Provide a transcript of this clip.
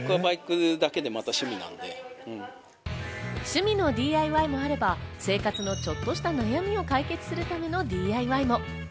趣味のＤＩＹもあれば、生活のちょっとした悩みを解決するためのＤＩＹも。